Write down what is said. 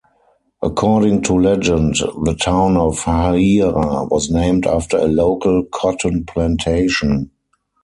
According to legend, the town of Hahira was named after a local cotton plantation.